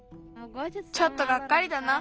ちょっとがっかりだな。